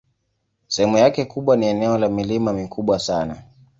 Sehemu yake kubwa ni eneo la milima mikubwa sana.